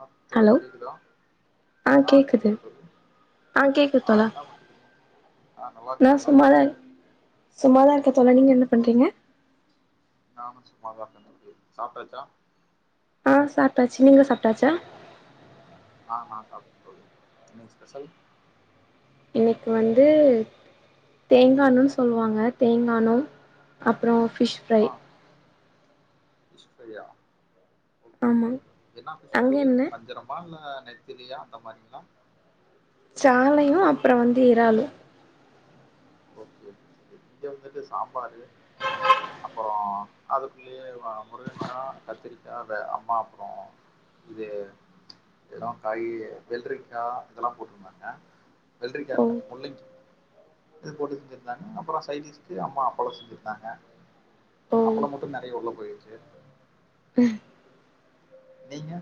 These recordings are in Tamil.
ஆஹ் தோழி ஹலோ கேக்குதா ஆ ஆஹ் கேக்குது கேக்குதா தோழி ஆ கேக்குது ஆஹ் தோழா என்ன பன்றிங்க ஆஹ் நல்லா இருக்கீங்களா சும்மாதான் இருக்கன் தோழா நீங்க என்ன பண்றீங்க நானும் சும்மாதான் இருக்கன் [inaudible] சாப்டாச்சா ஆஹ் சாப்ட்டாச்சு நீங்க சாப்ட்டாச்சா ஆமா [unintelligible] ஸ்பெஷல் இன்னிக்கு வந்து தேங்கான்னு ஆ சொல்லுவாங்க தேங்கான்னு அப்பறோ ஃபிஷ் ஃப்ரை ஆ ஃபிஷ் ஃப்ரையா ஒகே ஆமா ஓகே என்னா ஃபிஷ் அங்க [unintelligible] என்ன வஞ்சரமா இல்ல நெத்திலியா அந்த மாறீங்களா ச்சாலையு அப்பற வந்து இறாலும் ஓகே ஓகே இங்க வந்துட்டு சாம்பாரு அப்புற அதுக்குலையே அ முருங்கக்கா கத்திரிக்கா வே அம்மா அப்புறோ இது இதென்ன காய் வெள்ரிக்கா இதெலா போட்ருந்தாங்க வெள்ரிக்கா ஓ இல்ல முள்ளங்கி இத போட்டு செஞ்சிருந்தாங்க அப்பற சைடிஷ்கு அம்மா அப்பளோ செஞ்சிருந்தாங்க ஓ அப்பளோ மட்டு நெறைய உள்ள போய்டுச்சு நீங்க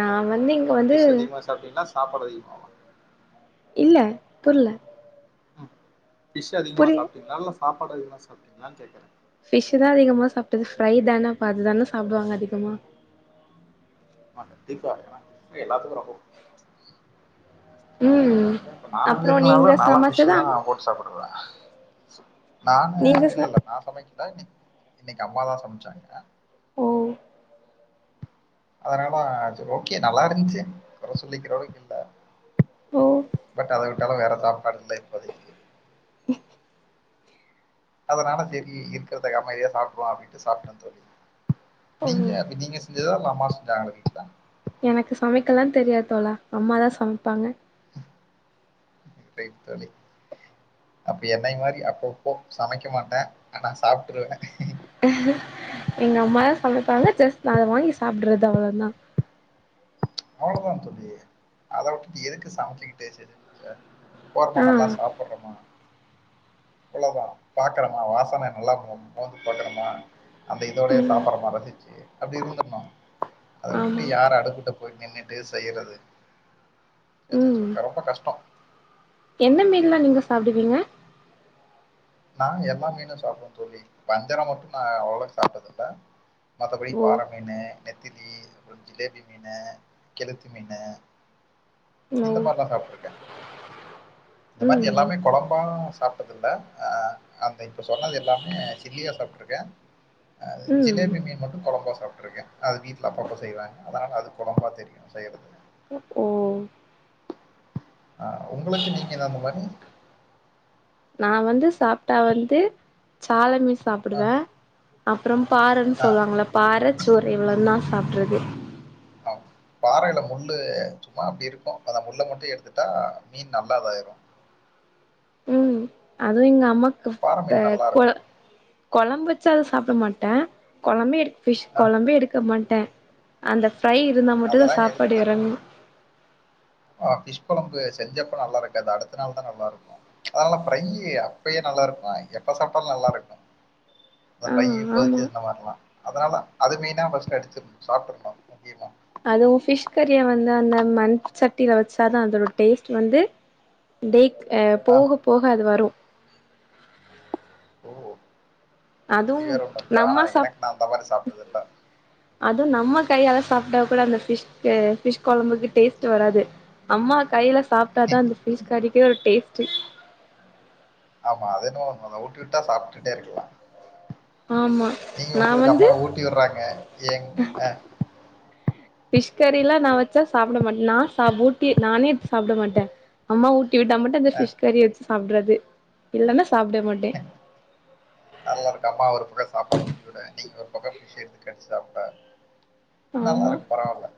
நா வந்து இங்க வந்து ஃபிஷ் அதிகமா சாப்டிங்ளா சாப்பாடு அதிகமாவா இல்ல புர்ல பி்ஷ் அதிகமா புரி சாப்டிங்களா இல்ல சாப் சாப்பாடு அதிகமா சாப்டிங்களானு கேக்குறே ஃபிஷ் தான் அதிகமா சாப்ட்டது ஃப்ரை தான அப்ப அதுதான சாப்டுவாங்க அதிகமா ஆ கண்டிப்பா ஏன்னா ஃபிஷ் ஃப்ரை எல்லாத்துக்கு ரொம்ப புடிக்கு ம் ஏன்ப்பா நானாவே அப்றோ இருந்தாலு நீங்க நான்லா சமச்சதா பிஷ்தா போட்டு சாப்டுவே நானு நீங்க இல்ல ச இல்ல நா சமைக்க [unintelligible] இன்னைக்கி அம்மாதா சமச்சாங்க ஓ அதனால செரி ஓக்கே நல்லா இருந்துச்சு கொற சொல்லிக்கிற அளவுக்கு இல்ல ஓ பட் அதவிட்டாலு வேற நா பண்ல இப்போதைக்கு அதனால சேரி இருக்கிறத அமைதியா சாப்ட்ரால அப்படின்ட்டு சாப்ட்ரது ஓ நீங்க [unintelligible] இததா எங்க அம்மா செஞ்சாங்க வீட்ல எனக்கு சமைக்கலா தெரியாது தோழா அம்மாதா சமப்பாங்க ரைட் தோழை அப்ப என்னைய மாரி அப்பப்போ சமைக்கமாட்டே ஆனா சாப்பிட்டுருவே எங்க அம்மாதா சமைப்பாங்க ஜஸ்ட் நா அதவாங்கி சாப்ட்றது அவ்ளோதா அவ்ளோதான் தோழி அதவுட்டுட்டு எதுக்கு சமச்சிட்டு [unintelligible] போறோமா ஆ நல்லா சாப்ட்றோமா அவ்ளோதா பாக்குறம்மா வாசன நல்லா மோந் மோந்து பாக்குறம்மா அந்த இதோடயே ம் சாப்புடுறமா ரசிச்சு அப்டி இருந்தருணு அத விட்டு ஆமா யார அடுப்க்கிட்ட போய் நின்னுட்டு செய்யிறது ம் ச்சேச்சே ரொம்ப கஷ்டோ என்ன மீன்ல்லா நீங்க சாப்பிடுவீங்க நா எல்லா மீனு சாப்பிடுவே தோழி வஞ்செர அபுனா நா அவ்லோக் சாப்புட்டதுல்ல மத்தபடி ஓ பார மீனு நெத்திலி அப்புறோ ஜிலேபி மீனு கெளுத்து மீனு ஓ இந்த மாரிலா சாப்புட்டுருக்கே இந்த மாரி ம் எல்லாமே கொழம்பா சாப்ட்டதுல்ல ஆ அந்த இப்போ சொன்னது எல்லாமே சில்லியா சாப்ட்டுருக்கே ஆ ம் ஜிலேபி மீன் மட்டு கொழம்பா சாப்ட்டுருக்கே அது வீட்டில அப்பப்போ செய்வாங்க அதனால அது கொழம்பா தெரியு செய்யிறது ஓ ஆ உங்குளுக்கு நீங்க ஏதாவது [unintelligible] நா வந்து சாப்ட்டா வந்து சால மீ அ சாப்புடுவே அப் அப்புறோம் பாற ன் அ சொல்லுவாங்குல்ல பாறச் சோறை இவ்வுளோ தா சாப் ற்றது அ பாறையில முள்ளு சும்மா அப்டி இருக்கு அத முள்ள மட்டு எடுத்துட்டா மீன் நல்லா இதாயிரு ம் அதுவு எங் அம்மா க கொழ நல்லாருக்கும். கொழம்புக் ச்ச அத சாப்ட மாட்டே கொழம்பே எடுத் ஃபிஷ் அ கொழம்பே எடுக்க மாட்டே அந்த ஃப்ரை இருந்தா மட்டுதா அதெல்லாம் சாப்பாடு எதுக்கு? எறங்கு ஆ ஃபிஷ் கொழம்பு செஞ்சப்ப நல்லா இருக்காது அடுத்த நாள் தா நல்லா இருக்கு அதனால ஃப்ரையி அப்பயே நல்லா இருக்கு எப்ப சாப்ட்டாலு நல்லா இருக்கு அந்த ஆ ஃப்ரையி ஆமா பொதிச்சு இந்த மார்லா அதுனால அது மெய்னா ஃபஸ்ட் எடுத்து சாப்பிட்றணு முக்கியமா அதுவு ஃபிஷ் கறிய வந்து அந்த மண் சட்டியில வெச்சாதா அதோட டேஸ்ட் வந்து டேக் ஆ போக போக அது வரு ஓ அப்டி அதுவு வேற ஒண்ணு இருக்கா ஆனா நம்ம சாப் எனக் நா அந்த மாரி சாப்ட்டது இல்ல கையாலா சாப்ட்டா கூட அந்த ஃபிஷ்க்கு ஃபிஷ் கொழம்புக்கு டேஸ்ட்டு வராது அம்மா கையில சாப்ட்டாதா அந்த ஃபிஸ் கறிக்கே ஒரு டேஸ்ட்டு ஆம்மா அதென்னமோ உண்மதா ஊட்டி விட்டா சாப்ட்டுட்டே இருக்கலா ஆமா நீங்க நா உங்குளுக் வந்து அம்மா ஊட்டி விடுறாங்க ஏங் ஆ ஃபிஷ் கறிலா நா வெச்சா சாப்ட மாட்டே நா சா ஊட்டி நானே சாப்ட மாட்டே அம்மா ஊட் டிவிட்டா மட்டு அந்த அ ஃபிஷ் கறி சாப்டுறது இல்லான நல்லா இருக்கு அம்மா ஒரு பக்கோ சாப்பாடு ஊட்டிவிட நீங்க ஒரு பக்கா ஃபிஷ் எடுத்து கடிச்சு சாப்ட ஆமா நல்லாருக் பரவால்ல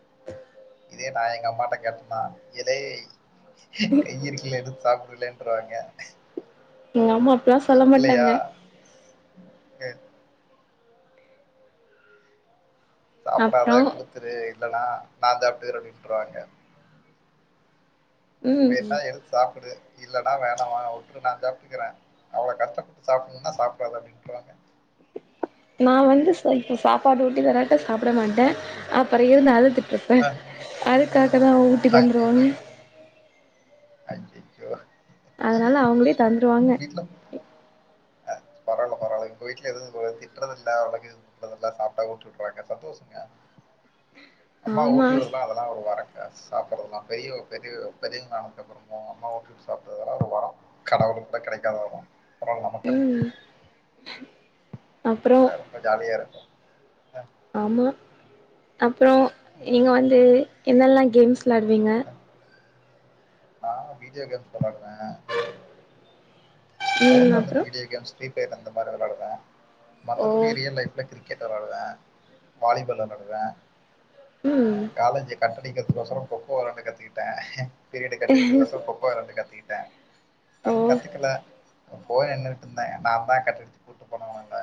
இதே நா எங்க அம்மாட்ட கேட்டனா ஏலேய் கை இருக்கில எடுத்து சாப்டுலே ட்ருவாங்க ம் ஆமா அப்பெல்லா சொல்ல மாட்டாங்க. அ அப்றோ சாப்பிடாத குடுத்துரு இல்லனா நா சாப்டிக்கிறே அப்டின்ருவாங்க ம் வேனுனா எடுத்து சாப்பிடு இல்லன்னா வேணாமா விட்டுரு நா சாப்பிட்டுக்கறே அவ்வளோ கஷ்டப்பட்டு சாப்பிணும்னா சாப்டு அத அப்டின்ட்ருவாங்க. நா வந்து இப்ப சாப்பாடு ஊட்டி தரே சாப்பிட மாட்டே அப் பரு இருந்தாலு தி ப்ப அ அதுக்காகதா ஊட்டி தந்துருவாங்க. அய்யயோ அதனால அவங்களே தந் வாங்க பரவால உங்க வீட்ல எது உங்கள திட்ரது இல்ல அவளோக்கு திட்டுறதுல்ல சாப்ட்டா ஊட்டு விட்டுறாங்க சந்தோஷங்க. அம்மா ஆமா ஊட்டி விடுறதெல்லா அதெல்லா ஒரு வர ம் சாப்பிடறதுல்லா பெரிய பெரிய பெரியவங்கானக்கப்புறோ அம்மா ஊட்டி விட்டு சாப்பிடுறதுல்லா ஒரு வரம் கடவுளுக்கு கூட கெடைக்காத வரம். ம் [unintelligible] அப்றோ அத ரொம்ப ஜாலியாருக்கு ஆமா அப்புறம் நீங்க ம் வந்து என்னெல்லா கேம்ஸ் விளாடுவீங்க? அ நா வீடியோ கேம்ஸ் வெளாடுவேன் ஃபோன் ம் வந்துட்டு அப்றோ வீடியோ கேம்ஸ் ப்ளே அந்த மாரி வெளாடுவேன் மத்தபடி ரியல் லைஃப்ல கிரி கிரிக்கெட் வெளாடுவே வாலிபால் வெளாடுவே அஹ் காலேஜி கட் [unintelligible] கொக்கோ விளையாண்டு கத்துக்கிட்டே பீரியட் கட் அடிக்கிறக்கு வசரோ கொக்கோ விளாட கத்துக்கிட்டே அது கத்துக்கல போய நின்னுட்டு இருந்தே நா தா கட் அடிச்சுட்டு கூப்ட்டு போனல்ல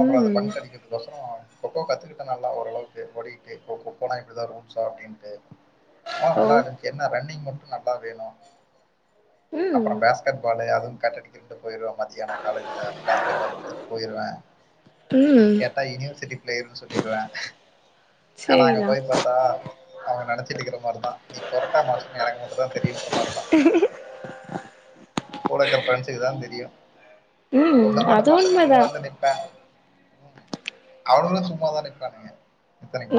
அப்புறம் அது பந்து அடிக்கிறதுக் கொசரம் கொக்கோ கத்துக்கிட்டே நல்லா ஓரளவுக்கு ஓடிக்கிட்டு இப்போ கொக்கோனா இப்டிதா ரூல்ஸா அப்டின்னுட்டு ஆனா நல்லா இருந்துச்சு என்ன ரன்னிங் மட்டும் நல்லா வேணு அப்புறம் பேஸ்கெட் பாலு அது கட்டடிக்கிறதுக்கு போயிடுவே மதியானம் காலேஜ்ல பேஸ்கெட் பால் எடுத்துட்டு போயிருவே உம் சிட்டி ப்ளேயர்ன்னு சொல்லிருவே நாங்க சேரிதான் போய் பாத்தா அவுங்க நெனைச்சிட்ருக்கிற மாரிதா நீ பொரட்டா மாஸ்டர்ன்னு எனக்கு மட்டுதா தெரியின்ற மாரிதா [unintelligible] [unintelligible] ஞ்சிதுதா தெரியு ம் ஒண்ணு பண்ண அது மாட்ட சும்மா உண்மதா வந்து நிப்பே அவனுவோனு சும்மாதா நிப்பானுங்க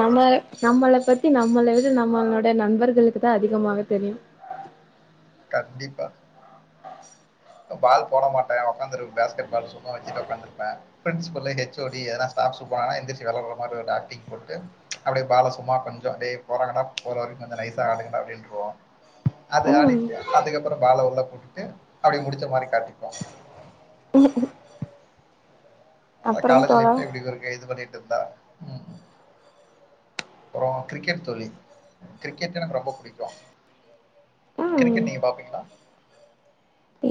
நம்ம நம்மளப் பத்தி நம் நம்மளுது நம்மளுடைய நண்பர்களுக்கு தா அதிகமாக தெரியு கண்டிப்பா இப்ப பால் போட மாட்டே உட்காந்துருப்பே பேஸ்கெட் பால் சும்மா வெச்சுட்டு உக்காந்துருப்பே பிரின்சிபல்லு எச் ஒ டி எதன்னா ஸ்டாப் சொன்னாங்னா எந்திரிச்சு வெள்ளார்ற மாரி ஆக்ட்டிங் போட்டு அப்டியே பால சும்மா கொஞ்சோ அப்டியே போறாங்கனா போற வரைக்கு கொஞ்சோ நைஸா ஆடுங்டா அப்டின்றோவோ அது ம் ஆடிட்டு அதுக்கப்புறோ பால வந்து போட்டுட்டு அப்புடி முடிச்ச மாரி கட்டிப்போ அ அப்புறம் காலேஜ் தோழா லைப்ல எப்டி இருக்கு இது பண்ணிட் இருந்தா ம் அப்றோ கிரிக்கெட் சொல்லி கிரிக்கெட் எனக்கு ரொம்ப புடிக்கு ம் கிரிக்கெட் நீங்க பாப்பீங்களா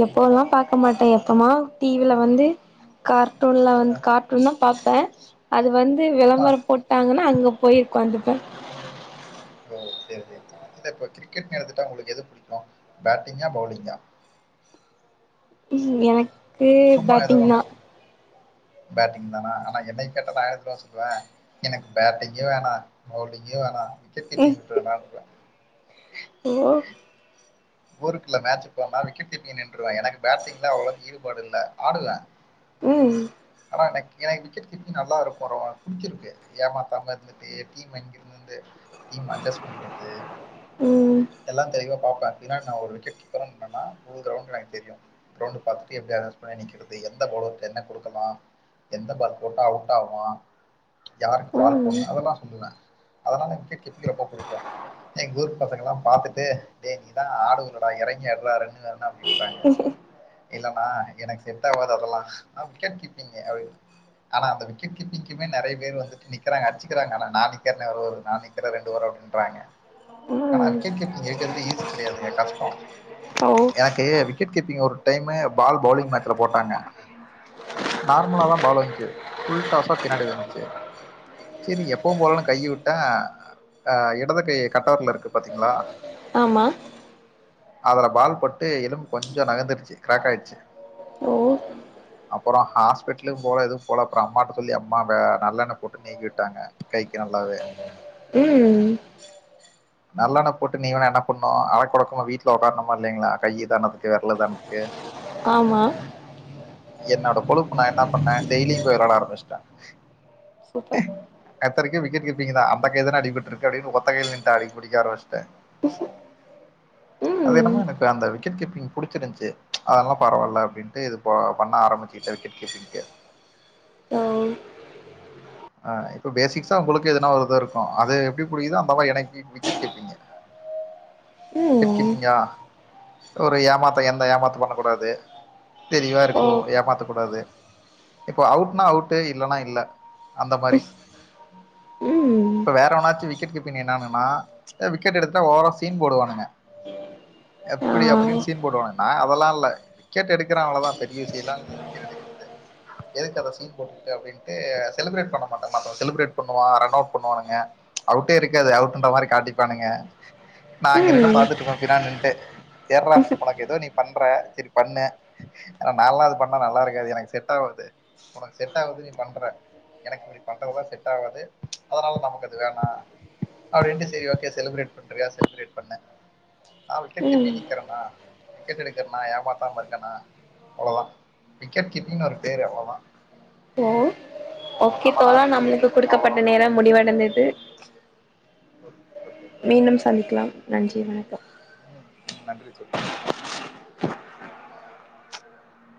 எப்போல்லா பார்க்க மாட்டே எப்பமா டிவில வந்து கார் ட்டூன்ல வந் கார்ட்டூன்லா பாப்பே அது வந்து ஆ விளம்பரோ போட்டாங்ன்னா அங்க போயி உக்காந்துட்டோ சேரி சேரி இல்ல இப்ப கிரிக்கெட்னு எடுத்துட்டா உங்களுக்கு எது புடிக்கு பேட்டிங்கா பவுலிங்கா ம் எனக் கே சும்மா ஏதோ பேட்டிங் தா ஒண்ணு பேட்டிங் தானா ஆனா என்னை கேட்டா நா எதமா சொல்லுவே எனக்கு பேட்டிங்கியு வேணு பவுலிங்கியு வேணு [unintelligible] ம் விட்றவனா விட்றுவே ஓ ஒரு சில மேட்ச் போனா விக்கெட் கீப்பிங் நின்றுவே எனக்கு பேட்டிங்ல அவ்ளோவுக்கு ஈடுபாடுல்ல ஆடுவே ம் [inaudible] எனக்கு விக்கெட் கிப்பீங்னாலு ரொம்போ அ புடிச்சிருக்கு ஏமாத்தாம இருந்துட்டு [inaudible] டீம் அட்ஜெஸ்ட் பண்றது ம் எல்லா தெளிவ பாப்ப வெளான்டா ஒரு விக்கெட் கீப்பரு வெள்ளான்டா [unintelligible] எனக்கு தெரியு க்ரவுண்ட்டு பாத்துட்டு எப்டி ஆடணுன் சொன்னா நிக்கிறது எந்த பவுலருக்கு என்ன குடுக்கலா எந்த பால் போட்டா அவுட் ஆவா யாருக்கு பால் ம் போடணு அதெல்லா சொல்லுவே அதலா [unintelligible] கீப்பர் ரொம்ப புடிக்கு அ எங்க ஊரு பசங்கல்லா பாத்துட்டு டே நீ [unintelligible] எறங்கி அடிடா ஒன்னு [inaudible] அப்டின்னு சொல்றாங்க இல்லண்ணா எனக்கு செட்டாவாது அதெல்லா நா வீக்கேட் கீப்பிங்கு அப்டின் அனா அந்த வீக்கேட் கீப்பிங்குமே நறைய பேரு வந்து நிக்கறாங்க அடிச்சிக்கிறாங்க அனா நா [unintelligible] நா நிக்கற ரெண்ட்டு ஒரு ரவுண்ட்றாங்க அனா ம் விக்கேட் கிப் ஏக்கறது ஈசி கெடையாதுங்க கஷ்டோ ஓ எனக்கு விக்கெட் கீப்பிங் ஒரு டைமு பால் பவுலிங் மேட்சல போட்டாங்க நார்மலா தா பால் வந்ச்சு ஃபுல்டாஸா பின்னாடி வந்ச்சு செரி எப்பவு போல நா கையவுட்டா அ இடது கை கட்டவெரல் இருக்கு பாத்தீங்ளா ஆமா அதுல பால்பட்டு எலும்பு கொஞ்சோ நகந்துருச்சு க்ராக்கயிடுச்சு ஓ அப்புறோ ஹாஸ்பெட்டலு போலது போல அப்புறோ அம்மாட்ட சொல்லி அம்மாவ நல்லெண்ண போட்டு நீக்கி விட்டாங்க கைக்கு நல்லாவே ம் நல்லெண்ணய் போட்டு நீவேணா பொண்ணு அடக்கொடக்கமா வீட்டுல உட்காரணமா இலைங்களா கைய தரானதுக்கு வெரல தரணதுக்கு ஆமா என்னோட கொழுப்பு நா என்ன பண்ணே டெய்லியு போய் நா வெள்ளாட ஆரம்பிச்ட்டே சூப்பர் எத்தரைக்கு விக்கெட் கீப்பிங் தா அந்த கை தானே அடிபட்ருக்கு அப்டின்னு ஒத்த கைல்லேன்ட்டு ஆடி புடிக்க ஆரம்பிச்சிட்டே அது ம் என்னமோ எனக்கு அந்த விக்கெட் கீப்பிங் புடிச்சிருந்துச்சு அதெல்லா பரவால்ல அப்டின்ட்டு இது ப-பண்ண ஆரம்பிச்சுட்டே விக்கெட் கீப்பிங்க்கே ஓ அ இப்ப பேசிக்ஸா உங்களுக்கு எதுனா ஒரு இத இருக்கு அது எப்புடி புடிக்குதோ அந்த மாரி எனக்கு விக்கெட் கீப்பிங்க விக்கெட் ம் கீப்பிங்கா ஒரு ஏமாத்த எந்த ஏமாத்த பண்ண கூடாது ஓ தெளிவாருக்கு ஏமாத்தக் கூடாது இப்ப அவுட்னா அவுட் இல்லன்னா இல்ல அந்த மாரி ம் இப்ப வேற ஒன்னாச்சு விக்கெட் கீப்பீங் நின்னானுன்னா அ விக்கெட் எடுத்தா ஓவரா சீன் போடு வானுங்க ஆ எப்புடி அப்டின்னு சீன் போர்டு வானுங்க நா அதெல்லா இல்ல விக்கெட் எடுக்குற அவளோதா பெரிய விசயலா இல்வ விக்கெட் எடுக்கறது எதுக்கு அத சீன் போட்டுக்குட்டு அப்டின்ட்டு செலிப்ரேட் பண்ண மாட்ட மத்தவ செலிப்ரேட் பண்ணுவா ரன் அவுட் பண்ணுவானுங்க அவுட்டே இருக்காது அவுட்ன்ற மாதிரி காட்டிப்பானுங்க நா அங்க நின்னு ம் பாத்துட்ருப்ப பின்னாடி நின்ட்டே தெர்லா உனக்கு ஏதோ நீ பண்ற செரி பண்ணு அனா நாலா அது பண்ணா நல்லாருக்காது எனக்கு செட்டாவாது உனக்கு செட்டாவுது நீ பண்ற எனக்கு இப்படி பண்றது எல்லா செட் ஆகாது ச்சு அதனால நமக்கு அது வேணாம் அப்படின்டு செரி ஓகே செலிப்ரேட் பண்றியா செலிப்ரேட் பண்ணு நான் விக்கெட் ம் கீப்பிங் நிக்கிறேனா விக்கெட் எடுக்கறனா ஏமாத்தாம இருக்கனா அவ்ளோதான் விக்கெட் கீபிங்ன்னு ஒரு பேரு அவ்ளோதான் ஓ ஓகே தோழா நம்மளுக்கு குடுக்கப்பட்ட நேரம் முடிவடைந்தது மீண்டும் சந்திக்கலாம் நன்றி வணக்கம் உம் நன்றி தோழி [unintelligible]